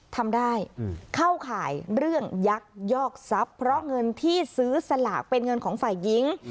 ทำได้เข้าข่ายเรื่องยักษ์ยอกทรัพย์เพราะเงินที่ซื้อสลากเป็นเงินของฝ่ายหญิง